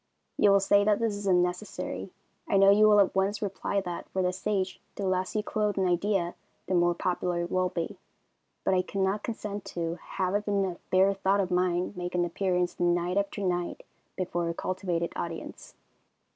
You will say that this is unnecessary. I know you will at once reply that, for the stage, the less you clothe an idea the more popular it will be, but I could not consent to have even a bare thought of mine make an appearance night after night before a cultivated audience.